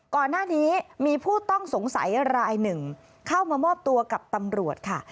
ก่อนหน้านี้มีผู้ต้องสงสัยรายหนึ่งเข้ามามอบตัวกับตำรวจค่ะ